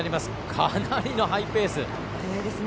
かなりのハイペース。